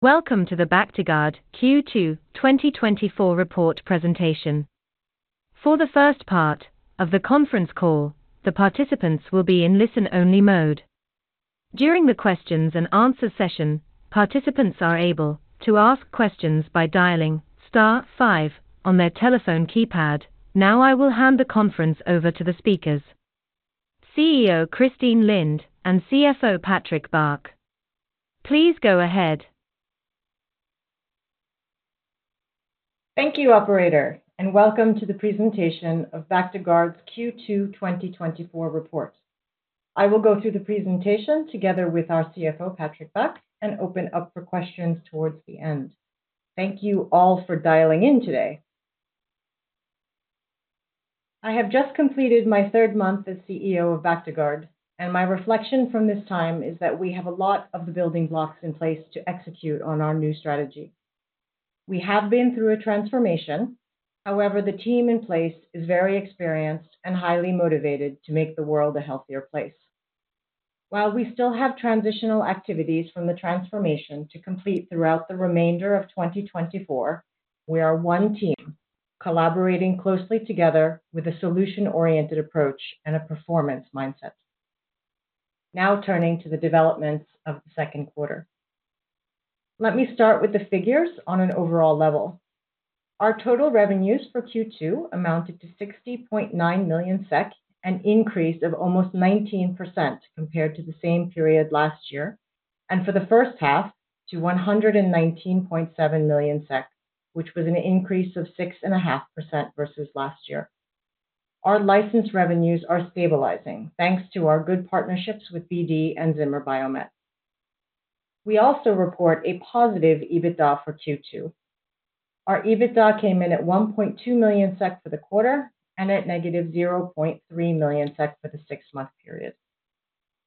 Welcome to the Bactiguard Q2 2024 report presentation. For the first part of the conference call, the participants will be in listen-only mode. During the questions and answer session, participants are able to ask questions by dialing star five on their telephone keypad. Now, I will hand the conference over to the speakers, CEO Christine Lind and CFO Patrick Bach. Please go ahead. Thank you, operator, and welcome to the presentation of Bactiguard's Q2 2024 report. I will go through the presentation together with our CFO, Patrick Bach, and open up for questions towards the end. Thank you all for dialing in today. I have just completed my third month as CEO of Bactiguard, and my reflection from this time is that we have a lot of the building blocks in place to execute on our new strategy. We have been through a transformation. However, the team in place is very experienced and highly motivated to make the world a healthier place. While we still have transitional activities from the transformation to complete throughout the remainder of 2024, we are one team collaborating closely together with a solution-oriented approach and a performance mindset. Now turning to the developments of the second quarter. Let me start with the figures on an overall level. Our total revenues for Q2 amounted to 60.9 million SEK, an increase of almost 19% compared to the same period last year, and for the first half to 119.7 million, which was an increase of 6.5% versus last year. Our license revenues are stabilizing, thanks to our good partnerships with BD and Zimmer Biomet. We also report a positive EBITDA for Q2. Our EBITDA came in at 1.2 million SEK for the quarter and at -0.3 million SEK for the six-month period.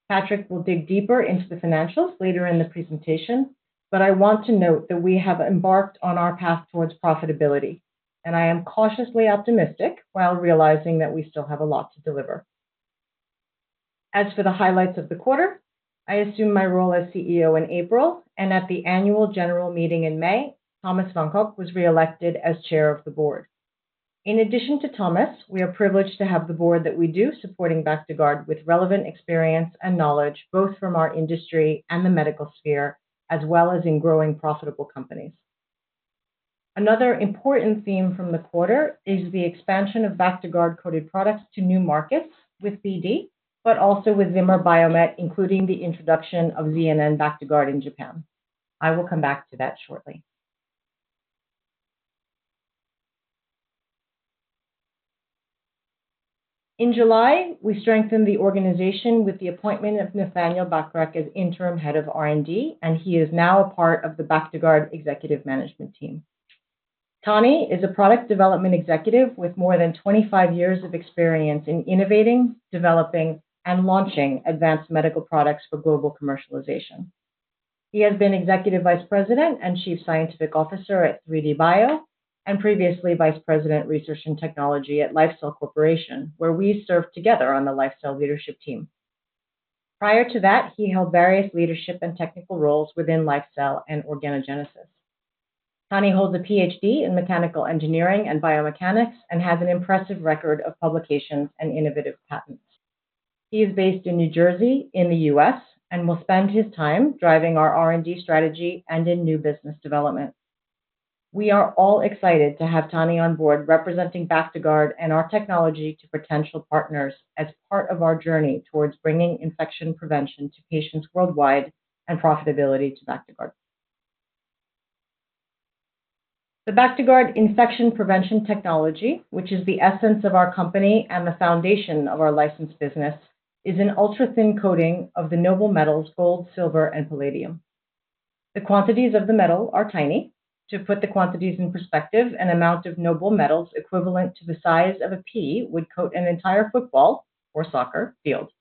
Patrick will dig deeper into the financials later in the presentation, but I want to note that we have embarked on our path towards profitability, and I am cautiously optimistic while realizing that we still have a lot to deliver. As for the highlights of the quarter, I assumed my role as CEO in April, and at the annual general meeting in May, Thomas von Koch was reelected as chair of the board. In addition to Thomas, we are privileged to have the board that we do, supporting Bactiguard with relevant experience and knowledge, both from our industry and the medical sphere, as well as in growing profitable companies. Another important theme from the quarter is the expansion of Bactiguard-coated products to new markets with BD, but also with Zimmer Biomet, including the introduction of ZNN Bactiguard in Japan. I will come back to that shortly. In July, we strengthened the organization with the appointment of Nathaniel Bachrach as interim head of R&D, and he is now a part of the Bactiguard executive management team. Tani is a product development executive with more than 25 years of experience in innovating, developing, and launching advanced medical products for global commercialization. He has been Executive Vice President and Chief Scientific Officer at 3DBio and previously Vice President, Research and Technology at LifeCell Corporation, where we served together on the LifeCell leadership team. Prior to that, he held various leadership and technical roles within LifeCell and Organogenesis. Tani holds a PhD in mechanical engineering and biomechanics and has an impressive record of publications and innovative patents. He is based in New Jersey in the US and will spend his time driving our R&D strategy and in new business development. We are all excited to have Tani on board, representing Bactiguard and our technology to potential partners as part of our journey towards bringing infection prevention to patients worldwide and profitability to Bactiguard. The Bactiguard infection prevention technology, which is the essence of our company and the foundation of our licensed business, is an ultra-thin coating of the noble metals gold, silver, and palladium. The quantities of the metal are tiny. To put the quantities in perspective, an amount of noble metals equivalent to the size of a pea would coat an entire football or soccer field.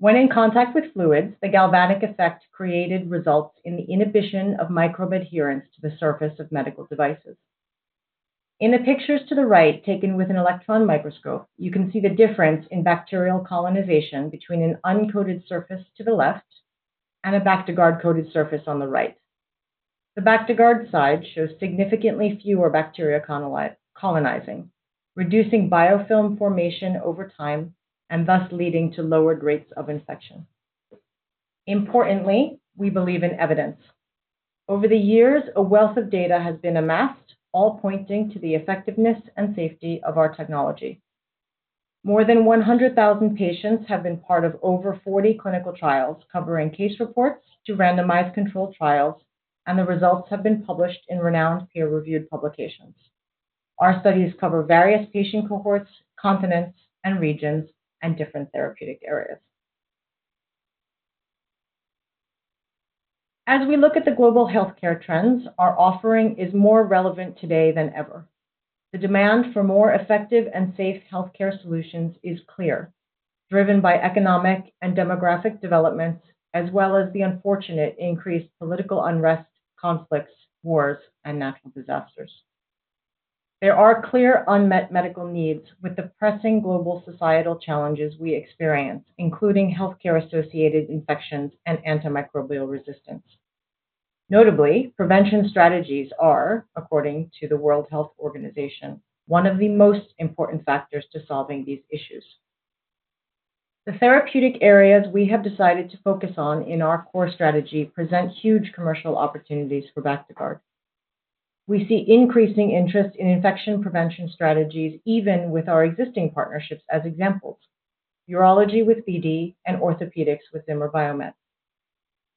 When in contact with fluids, the galvanic effect created results in the inhibition of microbe adherence to the surface of medical devices. In the pictures to the right, taken with an electron microscope, you can see the difference in bacterial colonization between an uncoated surface to the left and a Bactiguard-coated surface on the right. The Bactiguard side shows significantly fewer bacteria colonizing, reducing biofilm formation over time and thus leading to lowered rates of infection. Importantly, we believe in evidence. Over the years, a wealth of data has been amassed, all pointing to the effectiveness and safety of our technology. More than 100,000 patients have been part of over 40 clinical trials covering case reports to randomized controlled trials, and the results have been published in renowned peer-reviewed publications. Our studies cover various patient cohorts, continents and regions, and different therapeutic areas. As we look at the global healthcare trends, our offering is more relevant today than ever. The demand for more effective and safe healthcare solutions is clear, driven by economic and demographic developments, as well as the unfortunate increased political unrest, conflicts, wars, and natural disasters. There are clear unmet medical needs with the pressing global societal challenges we experience, including healthcare-associated infections and antimicrobial resistance. Notably, prevention strategies are, according to the World Health Organization, one of the most important factors to solving these issues. The therapeutic areas we have decided to focus on in our core strategy present huge commercial opportunities for Bactiguard. We see increasing interest in infection prevention strategies, even with our existing partnerships as examples, urology with BD and orthopedics with Zimmer Biomet.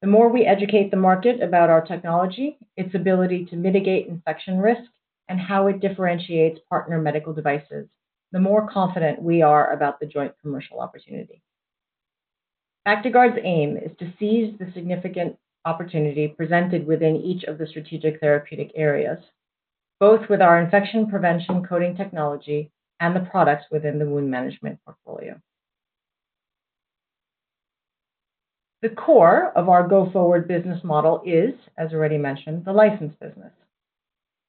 The more we educate the market about our technology, its ability to mitigate infection risk, and how it differentiates partner medical devices, the more confident we are about the joint commercial opportunity. Bactiguard's aim is to seize the significant opportunity presented within each of the strategic therapeutic areas, both with our infection prevention coating technology and the products within the wound management portfolio. The core of our go-forward business model is, as already mentioned, the license business.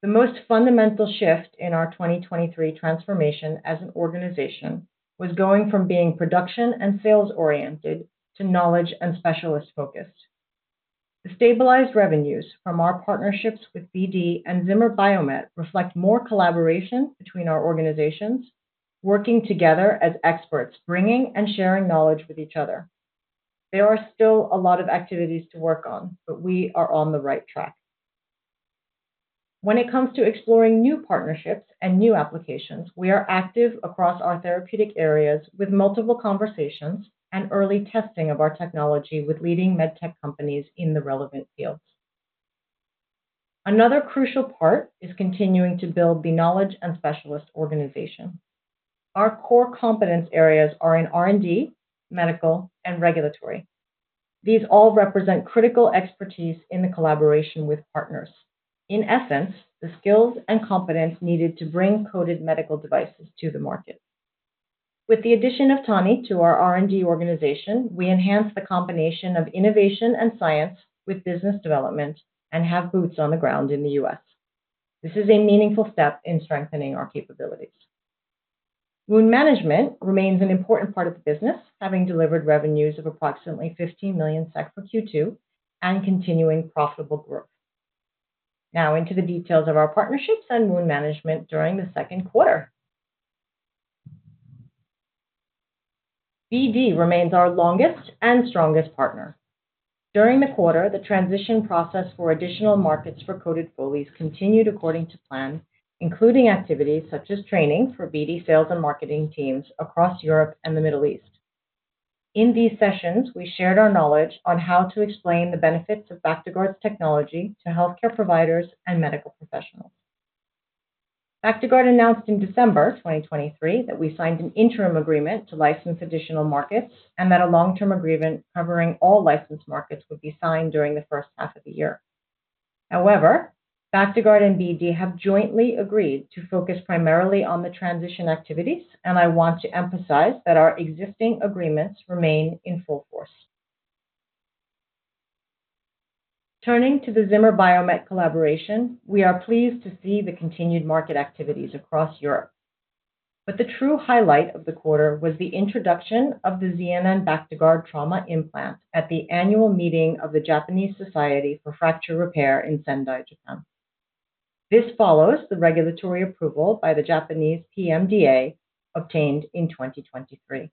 The most fundamental shift in our 2023 transformation as an organization was going from being production and sales-oriented to knowledge and specialist-focused. The stabilized revenues from our partnerships with BD and Zimmer Biomet reflect more collaboration between our organizations, working together as experts, bringing and sharing knowledge with each other. There are still a lot of activities to work on, but we are on the right track. When it comes to exploring new partnerships and new applications, we are active across our therapeutic areas with multiple conversations and early testing of our technology with leading medtech companies in the relevant fields. Another crucial part is continuing to build the knowledge and specialist organization. Our core competence areas are in R&D, medical, and regulatory. These all represent critical expertise in the collaboration with partners. In essence, the skills and competence needed to bring coated medical devices to the market. With the addition of Tani to our R&D organization, we enhance the combination of innovation and science with business development and have boots on the ground in the U.S. This is a meaningful step in strengthening our capabilities. Wound management remains an important part of the business, having delivered revenues of approximately 15 million SEK for Q2 and continuing profitable growth. Now into the details of our partnerships and wound management during the second quarter. BD remains our longest and strongest partner. During the quarter, the transition process for additional markets for coated Foleys continued according to plan, including activities such as training for BD sales and marketing teams across Europe and the Middle East. In these sessions, we shared our knowledge on how to explain the benefits of Bactiguard's technology to healthcare providers and medical professionals. Bactiguard announced in December 2023 that we signed an interim agreement to license additional markets and that a long-term agreement covering all licensed markets would be signed during the first half of the year. However, Bactiguard and BD have jointly agreed to focus primarily on the transition activities, and I want to emphasize that our existing agreements remain in full force. Turning to the Zimmer Biomet collaboration, we are pleased to see the continued market activities across Europe. But the true highlight of the quarter was the introduction of the ZNN Bactiguard trauma implant at the annual meeting of the Japanese Society for Fracture Repair in Sendai, Japan. This follows the regulatory approval by the Japanese PMDA, obtained in 2023.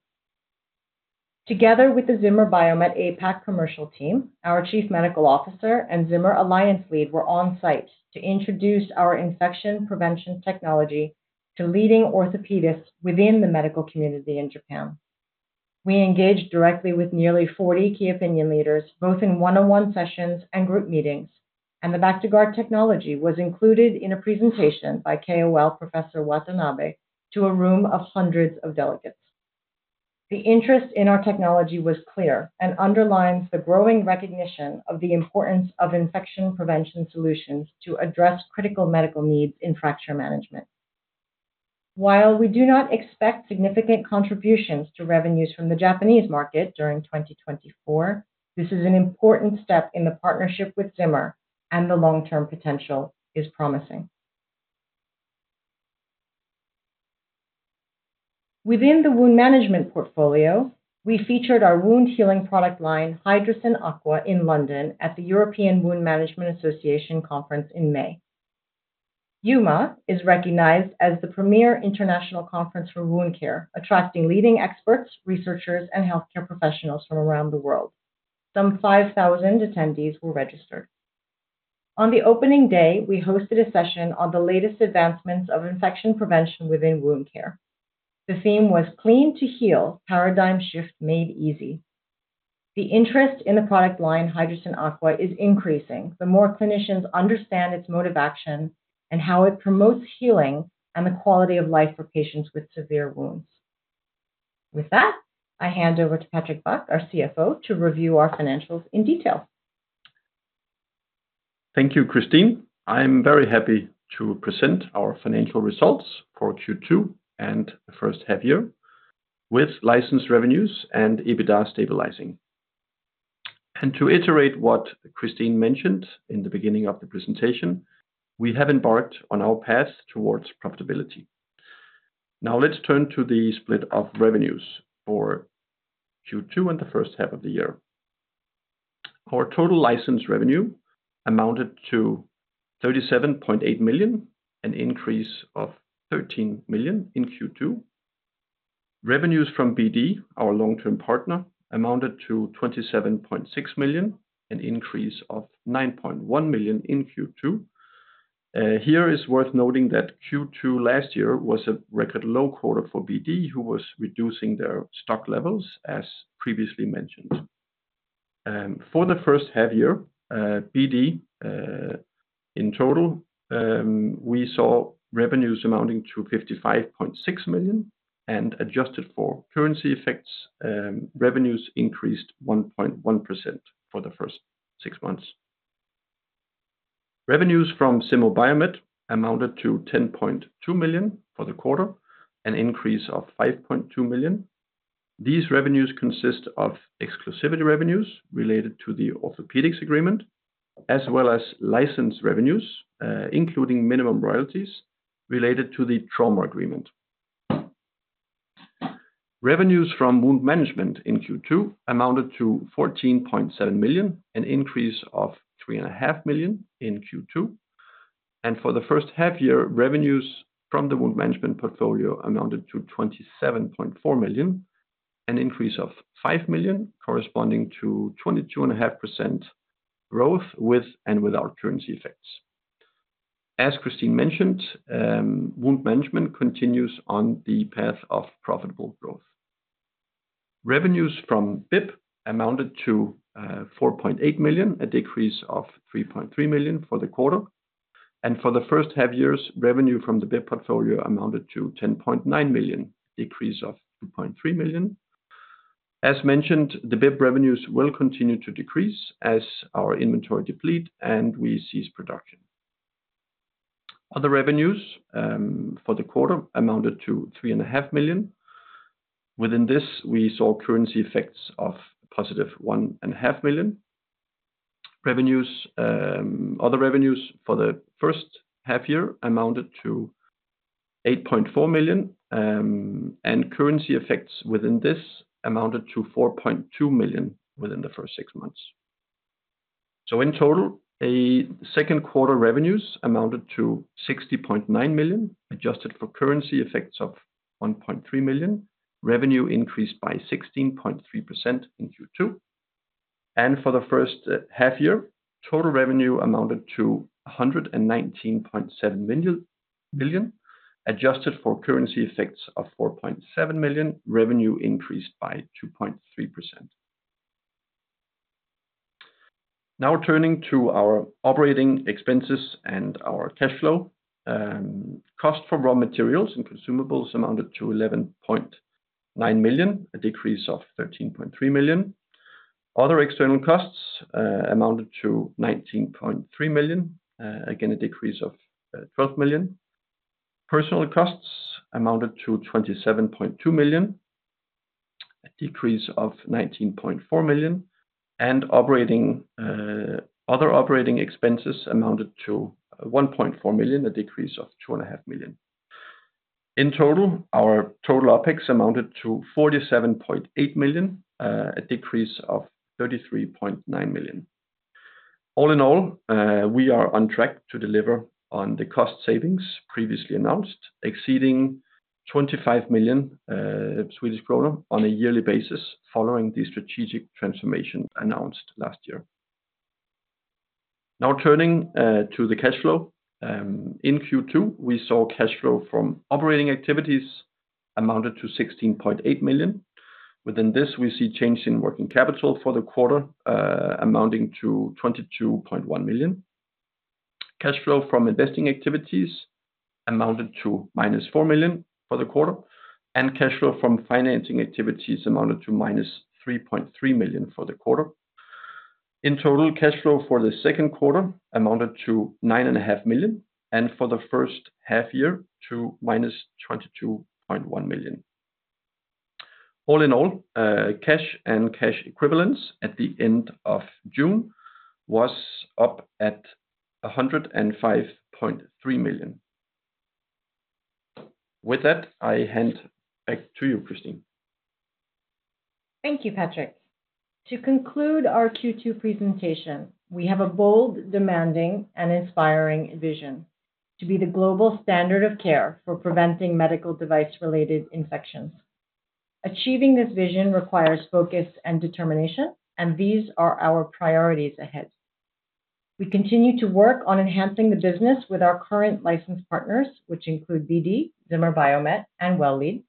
Together with the Zimmer Biomet APAC commercial team, our Chief Medical Officer and Zimmer Alliance lead were on site to introduce our infection prevention technology to leading orthopedists within the medical community in Japan. We engaged directly with nearly 40 key opinion leaders, both in one-on-one sessions and group meetings, and the Bactiguard technology was included in a presentation by KOL, Professor Watanabe, to a room of hundreds of delegates. The interest in our technology was clear and underlines the growing recognition of the importance of infection prevention solutions to address critical medical needs in fracture management. While we do not expect significant contributions to revenues from the Japanese market during 2024, this is an important step in the partnership with Zimmer, and the long-term potential is promising. Within the wound management portfolio, we featured our wound healing product line, Hydrocyn Aqua, in London at the European Wound Management Association conference in May. EWMA is recognized as the premier international conference for wound care, attracting leading experts, researchers, and healthcare professionals from around the world. Some 5,000 attendees were registered. On the opening day, we hosted a session on the latest advancements of infection prevention within wound care. The theme was Clean to Heal: Paradigm Shift Made Easy. The interest in the product line, Hydrocyn Aqua, is increasing the more clinicians understand its mode of action and how it promotes healing and the quality of life for patients with severe wounds. With that, I hand over to Patrick Bach, our CFO, to review our financials in detail. Thank you, Christine. I'm very happy to present our financial results for Q2 and the first half year with license revenues and EBITDA stabilizing. To iterate what Christine mentioned in the beginning of the presentation, we have embarked on our path towards profitability. Now, let's turn to the split of revenues for Q2 and the first half of the year. Our total license revenue amounted to 37.8 million, an increase of 13 million in Q2. Revenues from BD, our long-term partner, amounted to 27.6 million, an increase of 9.1 million in Q2. It's worth noting that Q2 last year was a record low quarter for BD, who was reducing their stock levels, as previously mentioned. For the first half year, BD in total, we saw revenues amounting to 55.6 million and adjusted for currency effects, revenues increased 1.1% for the first six months. Revenues from Zimmer Biomet amounted to 10.2 million for the quarter, an increase of 5.2 million. These revenues consist of exclusivity revenues related to the orthopedics agreement, as well as license revenues, including minimum royalties related to the trauma agreement. Revenues from wound management in Q2 amounted to 14.7 million, an increase of 3.5 million in Q2. And for the first half year, revenues from the wound management portfolio amounted to 27.4 million, an increase of 5 million, corresponding to 22.5% growth with and without currency effects. As Christine mentioned, wound management continues on the path of profitable growth. Revenues from BIP amounted to 4.8 million, a decrease of 3.3 million for the quarter. For the first half-year's revenue from the BIP portfolio amounted to 10.9 million, decrease of 2.3 million. As mentioned, the BIP revenues will continue to decrease as our inventory deplete and we cease production. Other revenues for the quarter amounted to 3.5 million. Within this, we saw currency effects of positive 1.5 million. Revenues, other revenues for the first half year amounted to 8.4 million, and currency effects within this amounted to 4.2 million within the first six months. So in total, second quarter revenues amounted to 60.9 million, adjusted for currency effects of 1.3 million. Revenue increased by 16.3% in Q2, and for the first half year, total revenue amounted to 119.7 million. Adjusted for currency effects of 4.7 million, revenue increased by 2.3%. Now turning to our operating expenses and our cash flow. Cost for raw materials and consumables amounted to 11.9 million, a decrease of 13.3 million. Other external costs amounted to 19.3 million, again, a decrease of 12 million. Personnel costs amounted to 27.2 million, a decrease of 19.4 million, and operating other operating expenses amounted to 1.4 million, a decrease of 2.5 million. In total, our total OpEx amounted to 47.8 million, a decrease of 33.9 million. All in all, we are on track to deliver on the cost savings previously announced, exceeding 25 million Swedish kronor on a yearly basis following the strategic transformation announced last year. Now, turning to the cash flow. In Q2, we saw cash flow from operating activities amounted to 16.8 million. Within this, we see change in working capital for the quarter amounting to 22.1 million. Cash flow from investing activities amounted to -4 million for the quarter, and cash flow from financing activities amounted to -3.3 million for the quarter. In total, cash flow for the second quarter amounted to 9.5 million, and for the first half year to -22.1 million. All in all, cash and cash equivalents at the end of June was up at 105.3 million. With that, I hand back to you, Christine. Thank you, Patrick. To conclude our Q2 presentation, we have a bold, demanding, and inspiring vision: to be the global standard of care for preventing medical device-related infections. Achieving this vision requires focus and determination, and these are our priorities ahead. We continue to work on enhancing the business with our current licensed partners, which include BD, Zimmer Biomet, and Well Lead.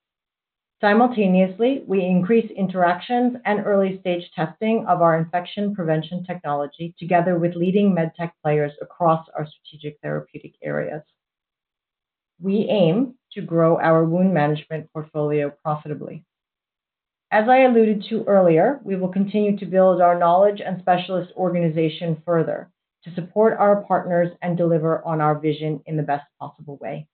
Simultaneously, we increase interactions and early-stage testing of our infection prevention technology together with leading medtech players across our strategic therapeutic areas. We aim to grow our wound management portfolio profitably. As I alluded to earlier, we will continue to build our knowledge and specialist organization further to support our partners and deliver on our vision in the best possible way.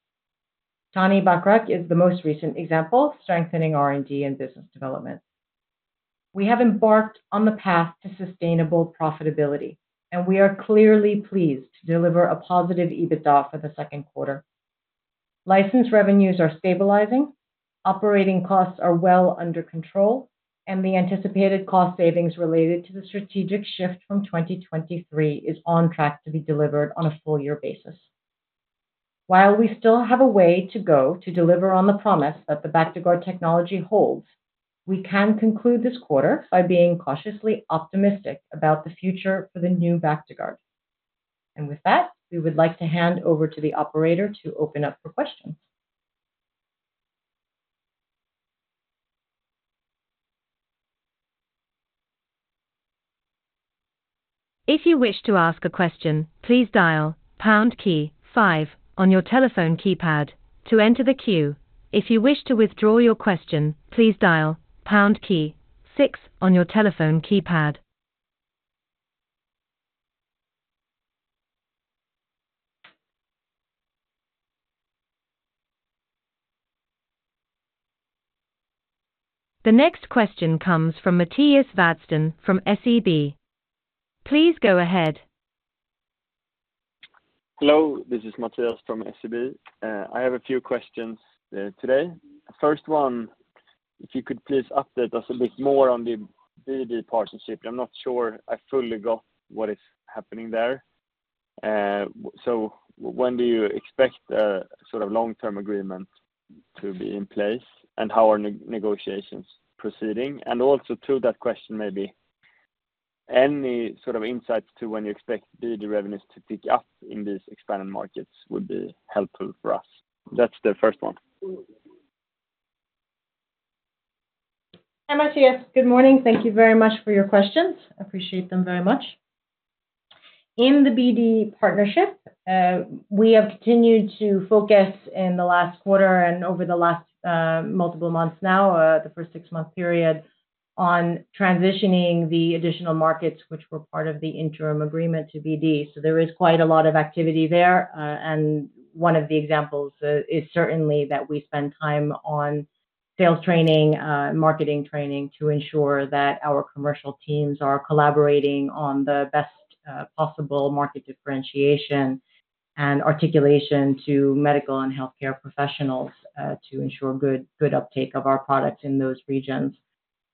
Tani Bachrach is the most recent example, strengthening R&D and business development. We have embarked on the path to sustainable profitability, and we are clearly pleased to deliver a positive EBITDA for the second quarter. License revenues are stabilizing, operating costs are well under control, and the anticipated cost savings related to the strategic shift from 2023 is on track to be delivered on a full year basis. While we still have a way to go to deliver on the promise that the Bactiguard technology holds, we can conclude this quarter by being cautiously optimistic about the future for the new Bactiguard. With that, we would like to hand over to the operator to open up for questions. If you wish to ask a question, please dial pound key five on your telephone keypad to enter the queue. If you wish to withdraw your question, please dial pound key six on your telephone keypad. The next question comes from Mattias Vadsten from SEB. Please go ahead. Hello, this is Mattias from SEB. I have a few questions, today. First one, if you could please update us a bit more on the BD partnership. I'm not sure I fully got what is happening there. So when do you expect the sort of long-term agreement to be in place, and how are negotiations proceeding? And also to that question, maybe any sort of insights to when you expect BD revenues to pick up in these expanded markets would be helpful for us. That's the first one. Hi, Mattias. Good morning. Thank you very much for your questions. I appreciate them very much. In the BD partnership, we have continued to focus in the last quarter and over the last multiple months now, the first six-month period, on transitioning the additional markets, which were part of the interim agreement to BD. So there is quite a lot of activity there, and one of the examples is certainly that we spend time on sales training, marketing training, to ensure that our commercial teams are collaborating on the best possible market differentiation and articulation to medical and healthcare professionals, to ensure good, good uptake of our products in those regions.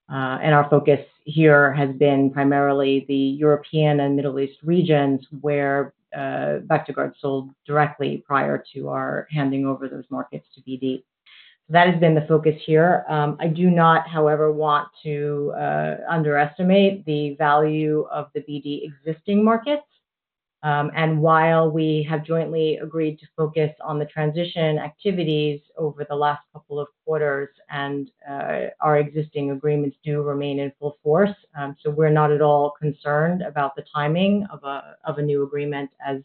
And our focus here has been primarily the European and Middle East regions, where Bactiguard sold directly prior to our handing over those markets to BD. So that has been the focus here. I do not, however, want to underestimate the value of the BD existing markets. While we have jointly agreed to focus on the transition activities over the last couple of quarters and our existing agreements do remain in full force, so we're not at all concerned about the timing of a new agreement as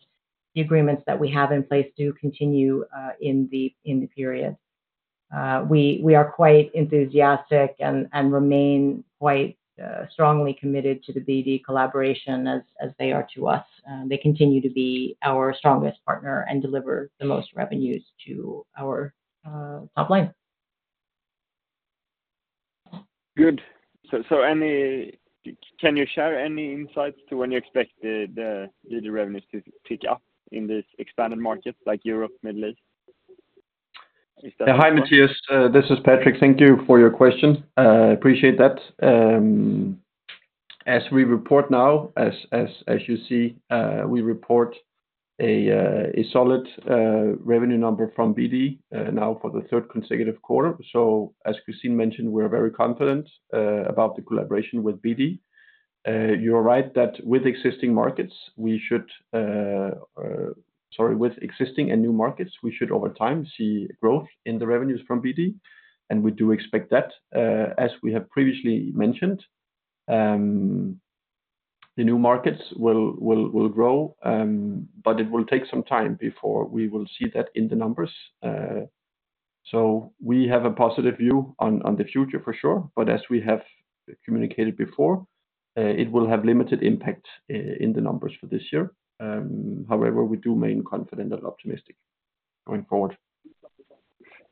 the agreements that we have in place do continue in the period. We are quite enthusiastic and remain quite strongly committed to the BD collaboration as they are to us. They continue to be our strongest partner and deliver the most revenues to our top line. Can you share any insights to when you expect the BD revenues to pick up in this expanded market, like Europe, Middle East? Hi, Mattias. This is Patrick. Thank you for your question. Appreciate that. As we report now, as you see, we report a solid revenue number from BD, now for the third consecutive quarter. So as Christine mentioned, we're very confident about the collaboration with BD. You're right that with existing markets, we should... Sorry, with existing and new markets, we should, over time, see growth in the revenues from BD, and we do expect that. As we have previously mentioned, the new markets will grow, but it will take some time before we will see that in the numbers. So we have a positive view on the future for sure, but as we have communicated before, it will have limited impact in the numbers for this year. However, we do remain confident and optimistic going forward.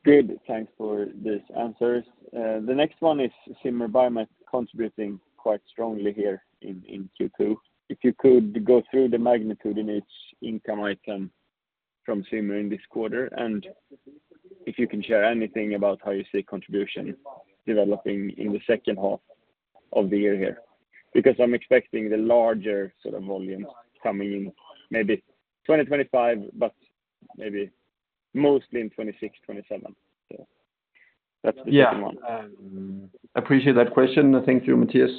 Good. Thanks for these answers. The next one is Zimmer Biomet, contributing quite strongly here in Q2. If you could go through the magnitude in each income item from Zimmer in this quarter, and if you can share anything about how you see contribution developing in the second half of the year here. Because I'm expecting the larger sort of volumes coming in maybe 2025, but maybe mostly in 2026, 2027. So that's the second one. Yeah. Appreciate that question. Thank you, Mattias.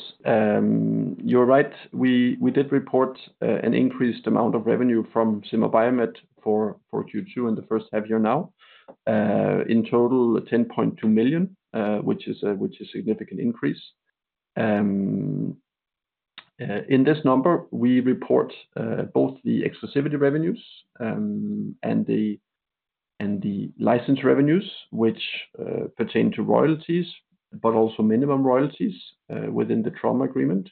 You're right. We did report an increased amount of revenue from Zimmer Biomet for Q2 in the first half year now. In total, 10.2 million, which is a significant increase. In this number, we report both the exclusivity revenues and the license revenues, which pertain to royalties, but also minimum royalties, within the trauma agreement.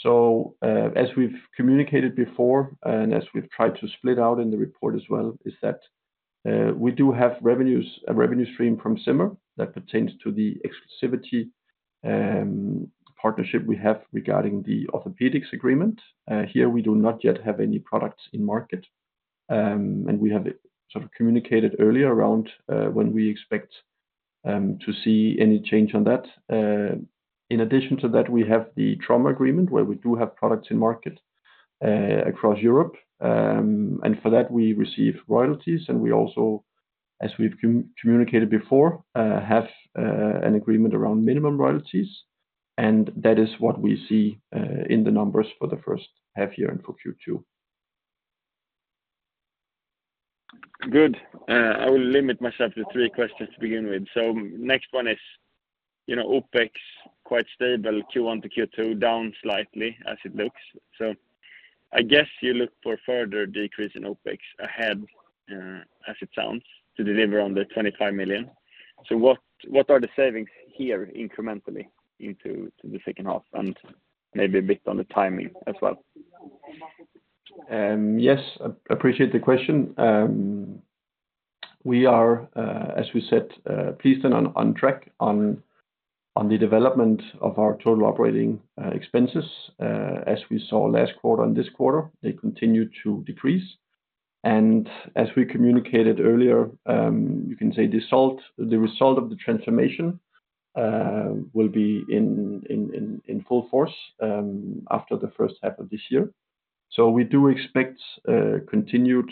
So, as we've communicated before, and as we've tried to split out in the report as well, is that we do have revenues, a revenue stream from Zimmer that pertains to the exclusivity partnership we have regarding the orthopedics agreement. Here, we do not yet have any products in market, and we have it sort of communicated earlier around when we expect to see any change on that. In addition to that, we have the trauma agreement, where we do have products in market across Europe. For that, we receive royalties. We also, as we've communicated before, have an agreement around minimum royalties, and that is what we see in the numbers for the first half year and for Q2. Good. I will limit myself to three questions to begin with. So next one is, you know, OpEx, quite stable, Q1 to Q2, down slightly as it looks. So I guess you look for a further decrease in OpEx ahead, as it sounds, to deliver on the 25 million. So what, what are the savings here incrementally into to the second half, and maybe a bit on the timing as well? Yes, I appreciate the question. We are, as we said, pleased and on track on the development of our total operating expenses. As we saw last quarter and this quarter, they continued to decrease. As we communicated earlier, you can say the result of the transformation will be in full force after the first half of this year. We do expect continued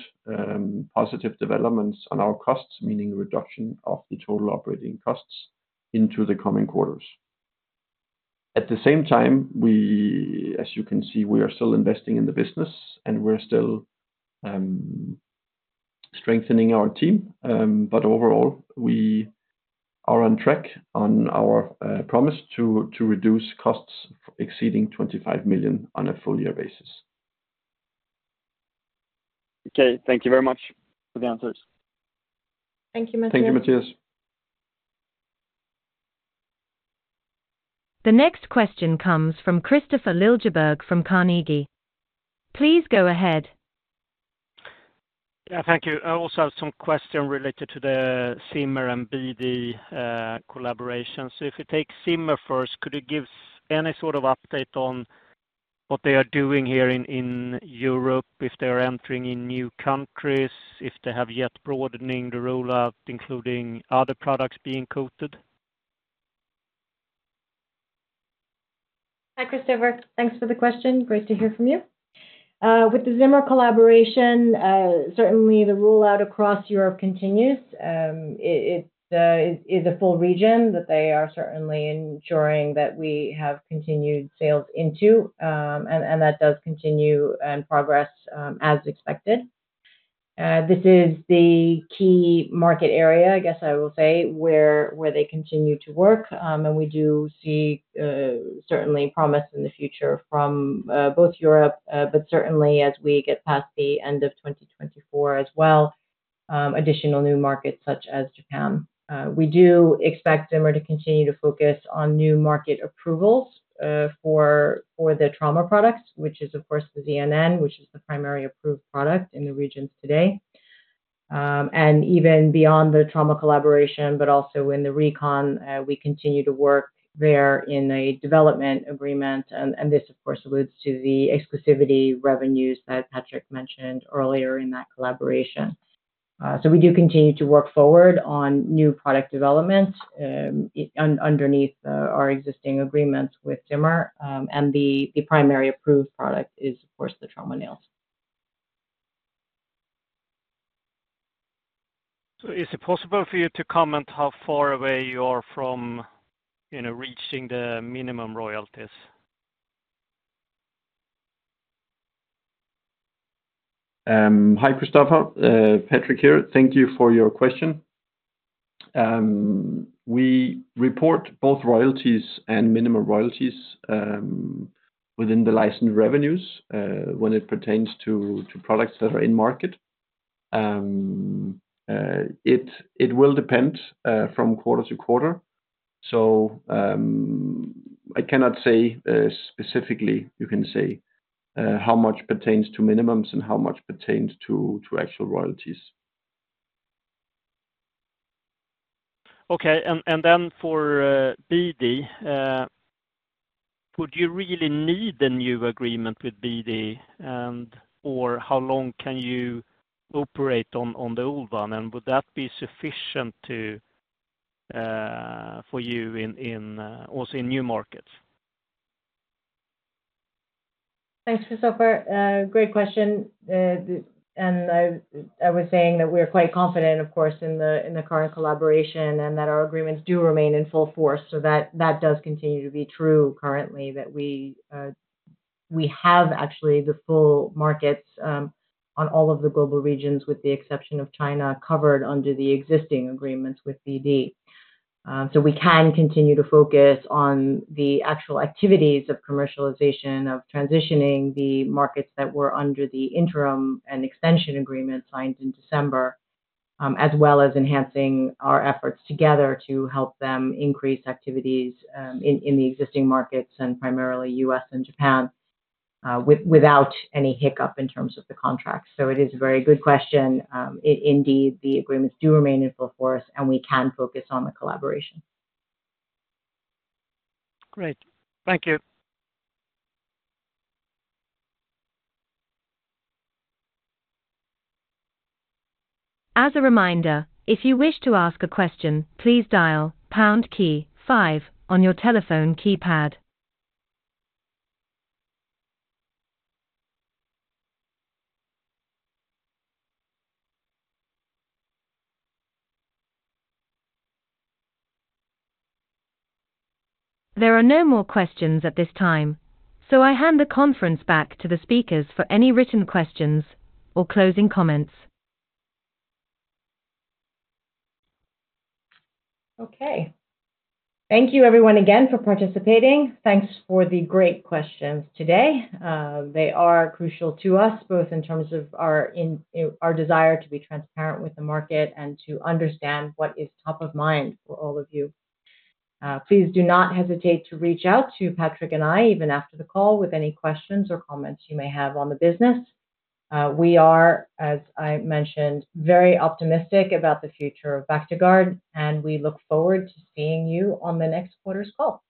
positive developments on our costs, meaning reduction of the total operating costs into the coming quarters. At the same time, as you can see, we are still investing in the business, and we're still strengthening our team. But overall, we are on track on our promise to reduce costs exceeding 25 million on a full year basis. Okay, thank you very much for the answers. Thank you, Mattias. Thank you, Mattias. The next question comes from Kristofer Liljeberg from Carnegie. Please go ahead. Yeah, thank you. I also have some question related to the Zimmer and BD collaboration. So if you take Zimmer first, could you give any sort of update on what they are doing here in Europe, if they are entering in new countries, if they have yet broadening the rollout, including other products being coated? Hi, Kristofer. Thanks for the question. Great to hear from you. With the Zimmer collaboration, certainly the rollout across Europe continues. It is a full region that they are certainly ensuring that we have continued sales into. And that does continue and progress as expected. This is the key market area, I guess I will say, where they continue to work. And we do see certainly promise in the future from both Europe, but certainly as we get past the end of 2024 as well, additional new markets such as Japan. We do expect Zimmer to continue to focus on new market approvals for the trauma products, which is, of course, the ZNN, which is the primary approved product in the regions today. Even beyond the trauma collaboration, but also in the recon, we continue to work there in a development agreement, and this, of course, alludes to the exclusivity revenues that Patrick mentioned earlier in that collaboration. So we do continue to work forward on new product development, underneath our existing agreements with Zimmer, and the primary approved product is, of course, the trauma nails. Is it possible for you to comment how far away you are from, you know, reaching the minimum royalties? Hi, Kristofer, Patrick here. Thank you for your question. We report both royalties and minimum royalties within the licensed revenues when it pertains to products that are in market. It will depend from quarter to quarter. So, I cannot say specifically you can say how much pertains to minimums and how much pertains to actual royalties. Okay. And then for BD, would you really need a new agreement with BD, and or how long can you operate on the old one? And would that be sufficient for you also in new markets? Thanks, Kristofer. Great question. And I was saying that we're quite confident, of course, in the current collaboration, and that our agreements do remain in full force. So that does continue to be true currently, that we have actually the full markets on all of the global regions, with the exception of China, covered under the existing agreements with BD. So we can continue to focus on the actual activities of commercialization, of transitioning the markets that were under the interim and extension agreement signed in December. As well as enhancing our efforts together to help them increase activities in the existing markets and primarily U.S. and Japan, without any hiccup in terms of the contract. So it is a very good question. Indeed, the agreements do remain in full force, and we can focus on the collaboration. Great. Thank you. As a reminder, if you wish to ask a question, please dial pound key five on your telephone keypad. There are no more questions at this time, so I hand the conference back to the speakers for any written questions or closing comments. Okay. Thank you everyone again for participating. Thanks for the great questions today. They are crucial to us, both in terms of our desire to be transparent with the market and to understand what is top of mind for all of you. Please do not hesitate to reach out to Patrick and I, even after the call, with any questions or comments you may have on the business. We are, as I mentioned, very optimistic about the future of Becton Dickinson, and we look forward to seeing you on the next quarter's call.